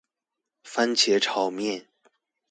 番茄炒麵